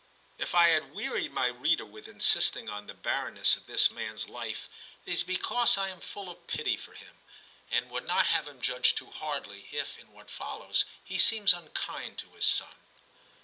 If I have wearied my reader with insisting on the barrenness of this man's life, it is because I am full of pity for him, IX TIM 195 and would not have him judged too hardly, if in what follows he seems unkind to his son.